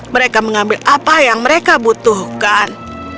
mereka mengambil apa yang mereka butuhkan